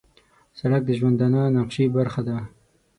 سړک د ژوندانه نقشې برخه ده.